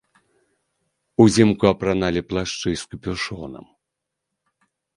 Узімку апраналі плашчы з капюшонам.